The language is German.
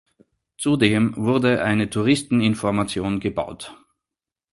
Zudem wurde eine Touristeninformation gebaut.